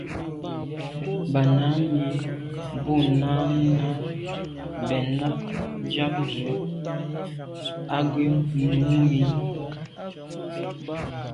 Ba nǎmî bû Nánái bɛ̂n náɁ ják ndzwə́ á gə́ Númíi.